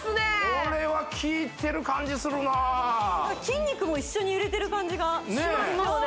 これは効いてる感じするな・筋肉も一緒に揺れてる感じがしますよね